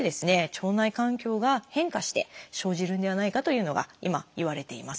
腸内環境が変化して生じるんではないかというのが今いわれています。